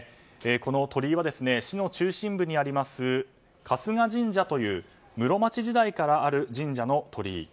この鳥居は市の中心部にある春日神社という室町時代からある神社の鳥居。